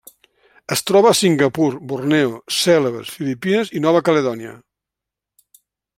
Es troba a Singapur, Borneo, Cèlebes, Filipines i Nova Caledònia.